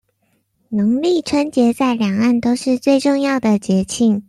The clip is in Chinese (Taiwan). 農曆春節在兩岸都是最重要的節慶